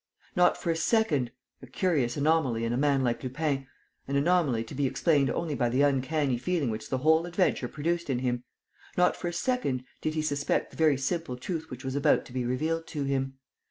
Not for a second a curious anomaly in a man like Lupin, an anomaly to be explained only by the uncanny feeling which the whole adventure produced in him not for a second did he suspect the very simple truth which was about to be revealed to him.